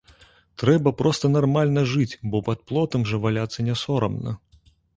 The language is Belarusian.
Трэба проста нармальна жыць, бо пад плотам жа валяцца не сорамна.